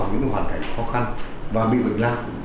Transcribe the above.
cũng vào những hoàn cảnh khó khăn và bị bệnh lạc